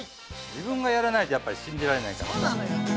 自分がやらないとやっぱり信じられないから。